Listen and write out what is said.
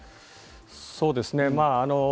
そうですね。